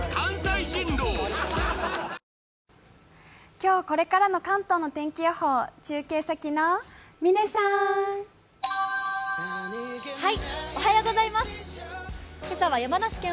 今日これからの関東の天気予報中継先の嶺さん。